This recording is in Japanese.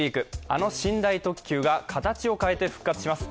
あの寝台特急が形を変えて復活します。